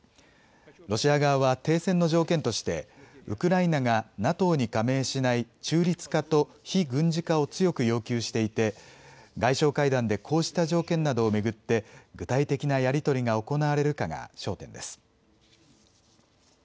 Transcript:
ロシア側は停戦の条件としてウクライナがＮＡＴＯに加盟しない中立化と非軍事化を強く要求していて外相会談でこうした条件などを巡って具体的なやり取りが行われるかが焦点です。